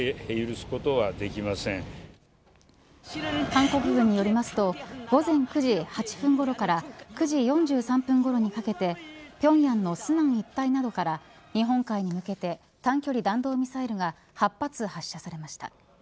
韓国軍によりますと午前９時８分ごろから９時４３分ごろにかけてピョンヤンの順安一帯などから日本海に向けて短距離弾道ミサイルが８発発射されました。